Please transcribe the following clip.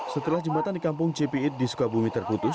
setelah jembatan di kampung cipiit di sukabumi terputus